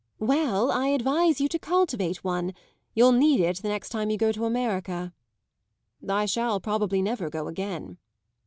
"Well, I advise you to cultivate one. You'll need it the next time you go to America." "I shall probably never go again."